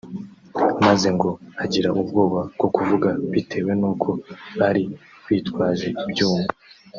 maze ngo agira ubwoba bwo kuvuga bitewe n’uko bari bitwaje ibyuma